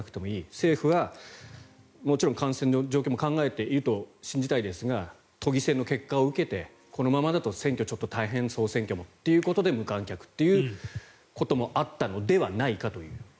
政府は、もちろん感染の状況も考えていると信じたいですが都議選の結果を受けてこのままだと選挙は大変総選挙もということで無観客ということもあったのではないかという。